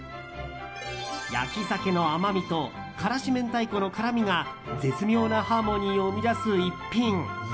焼き鮭の甘みと辛子明太子の辛みが絶妙なハーモニーを生み出す逸品。